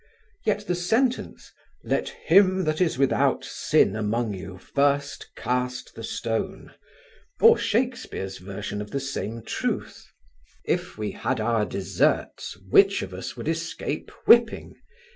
Yet, the sentence, "Let him that is without sin among you first cast the stone," or Shakespeare's version of the same truth: "if we had our deserts which of us would escape whipping?"